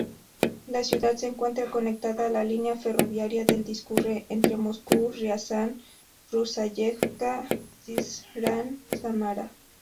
La ciudad se encuentra conectada a la línea ferroviaria que discurre entre Moscú-Riazán-Ruzáyevka-Syzran-Samara.